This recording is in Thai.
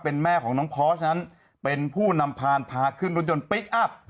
เป็นแม่ของน้องพอสนั้นเป็นผู้นำพานพาขึ้นรถยนต์พลิกอัพ